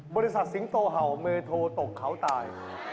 บริษัทสิงห์โตเห่าเมทูตกเขาตาย